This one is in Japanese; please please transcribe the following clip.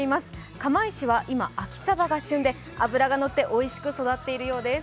釜石は今、秋さばが旬で、脂が乗っておいしく育っているようです。